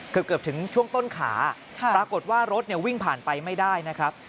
เกือบถึงช่วงต้นขาปรากฏว่ารถเนี่ยวิ่งผ่านไปไม่ได้นะครับ